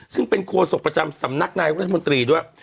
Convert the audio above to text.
ซึ่งเป็นโคศกประจำสำนักนายรัฐมนตรีด้วย